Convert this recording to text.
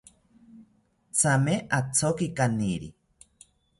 Thame athoki kaniri